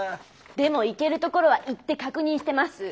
でも行けるところは行って確認してます。